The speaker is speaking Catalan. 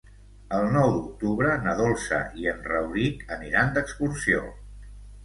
El nou d'octubre na Dolça i en Rauric aniran d'excursió.